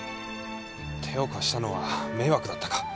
手を貸したのは迷惑だったか？